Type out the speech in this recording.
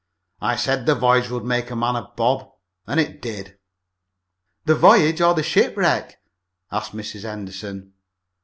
"I said the voyage would make a man of Bob, and it did." "The voyage or the shipwreck?" asked Mrs. Henderson.